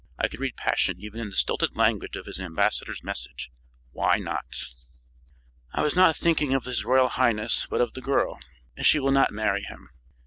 I could read passion even in the stilted language of his ambassador's message. Why not?" "I was not thinking of his royal highness, but of the girl. She will not marry him."